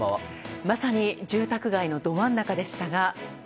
まさに住宅街のど真ん中でしたが。